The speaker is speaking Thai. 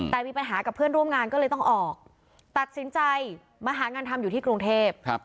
แต่มีปัญหากับเพื่อนร่วมงานก็เลยต้องออกตัดสินใจมาหางานทำอยู่ที่กรุงเทพ